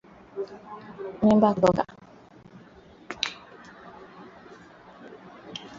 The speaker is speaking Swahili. Mimba kutoka